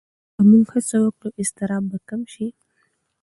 که موږ هڅه وکړو، اضطراب به کم شي.